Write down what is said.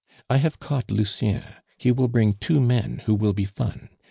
I have caught Lucien; he will bring two men who will be fun.